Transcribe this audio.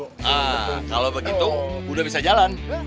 nah kalau begitu udah bisa jalan